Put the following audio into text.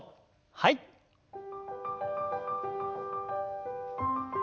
はい。